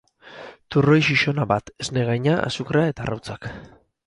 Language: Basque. Turroi xixona bat, esnegaina, azukrea eta arrautzak.